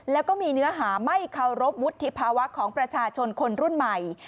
แล้วก็มีเนื้อหาไม่เคารพวุฒิภาวะของประชาชนคนรุ่นใหม่